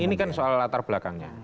ini kan soal latar belakangnya